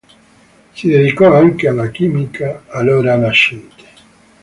Si dedicò anche alla chimica, allora nascente.